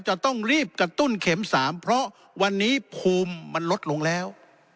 จะต้องรีบกระตุ้นเข็ม๓เพราะวันนี้ภูมิมันลดลงแล้ว